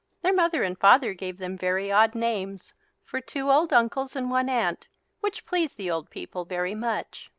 Their mother and father gave them very odd names, for two old uncles and one aunt, which pleased the old people very much.